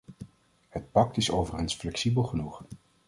Het pact is overigens flexibel genoeg.